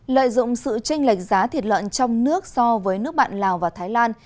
lợi dụng sự tranh lệch giá thịt lợn trong nước so với nước bạn lào và thái lan